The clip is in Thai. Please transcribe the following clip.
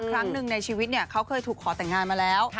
ครั้งหนึ่งในชีวิตเขาเคยถูกขอแต่งงานมาแล้ว